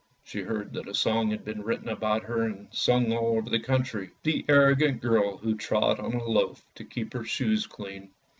She heard that a song had been written about her and sung all over the country, " The arrogant girl who trod on a loaf to keep her shoes clean."